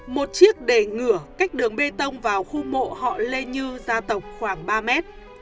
một chiếc đề ngửa cách đường bê tông vào khu mộ họ lê như gia tộc khoảng ba mét